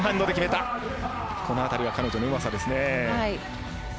この辺りは彼女のうまさですね。